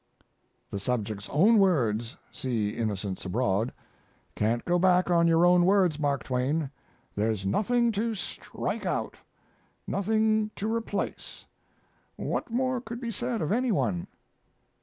The subject's own words (see Innocents Abroad). Can't go back on your own words, Mark Twain. There's nothing "to strike out"; nothing "to replace." What more could be said of any one?